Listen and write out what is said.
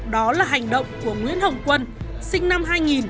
đó là hành động của nguyễn hồng quân sinh năm hai nghìn